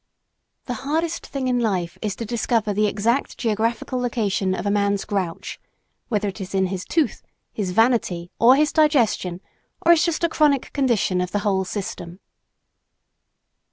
The hardest thing in life is to discover the exact geographical location of a man's grouch whether it is in his tooth, his vanity or his digestion, or is just a chronic condition of the whole system.